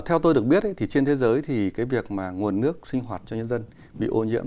theo tôi được biết thì trên thế giới thì cái việc mà nguồn nước sinh hoạt cho nhân dân bị ô nhiễm